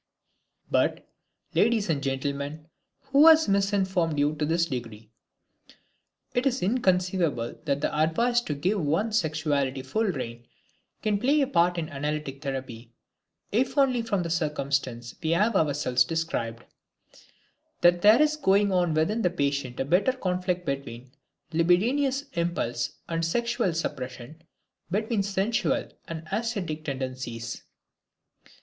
But, ladies and gentlemen, who has misinformed you to this degree? It is inconceivable that the advice to give one's sexuality full reign can play a part in analytic therapy, if only from the circumstance we have ourselves described, that there is going on within the patient a bitter conflict between libidinous impulse and sexual suppression, between sensual and ascetic tendencies.